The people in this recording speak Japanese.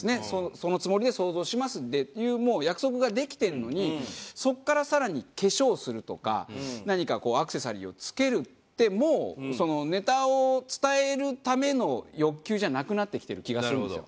「そのつもりで想像します」っていう約束ができてるのにそこから更に化粧をするとか何かこうアクセサリーをつけるってもうそのネタを伝えるための欲求じゃなくなってきてる気がするんですよ。